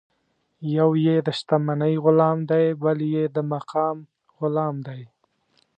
یو یې د شتمنۍ غلام دی، بل بیا د مقام غلام دی.